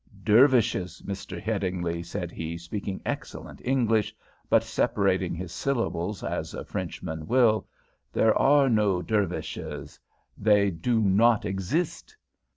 "Dervishes, Mister Headingly!" said he, speaking excellent English, but separating his syllables as a Frenchman will. "There are no Dervishes. They do not exist."